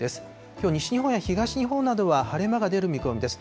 きょう西日本や東日本などは晴れ間が出る見込みです。